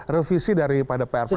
revisi dari pada pr press itu